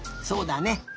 そうだね。